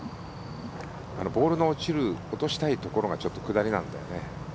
ボールの落としたいところが下りなんだよね。